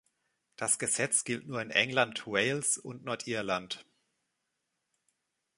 Das Gesetz gilt nur in England, Wales und Nordirland.